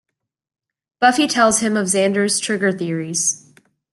Buffy tells him of Xander's trigger theory.